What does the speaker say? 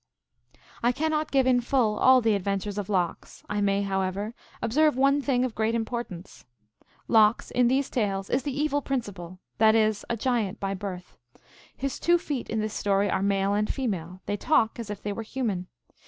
I cannot give in full all the adventures of Lox. I may, however, observe one thing of great importance. Lox, in these tales, is the Evil Principle, that is, a giant by birth. His two feet in this story are male and female ; they talk as if they were human.